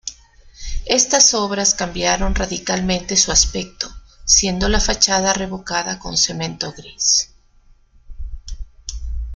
Estas obras cambiaron radicalmente su aspecto, siendo la fachada revocada con cemento gris.